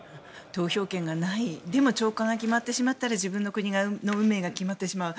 投票権がないでも長官が決まってしまったら自分の国の運命が決まってしまう。